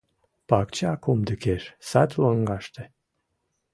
Пакча кумдыкеш, сад лоҥгаште